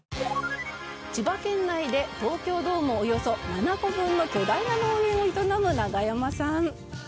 千葉県内で東京ドームおよそ７個分の巨大な農園を営むナガヤマさん。